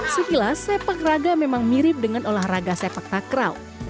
sekilas sepak raga memang mirip dengan olahraga sepak takraw